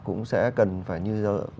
cũng sẽ cần phải như